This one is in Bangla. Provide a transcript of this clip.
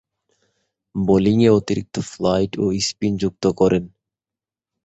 বোলিংয়ে অতিরিক্ত ফ্লাইট ও স্পিন যুক্ত করেন।